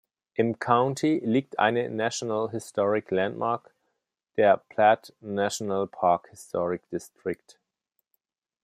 Im County liegt eine National Historic Landmark, der Platt National Park Historic District.